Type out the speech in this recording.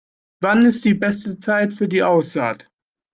Wann ist die beste Zeit für die Aussaat?